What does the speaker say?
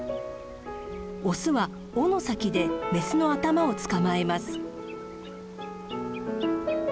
オスは尾の先でメスの頭を捕まえます。